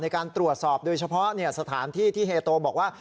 ในการตรวจสอบโดยเฉพาะสถานที่ที่เฮโตบอกว่า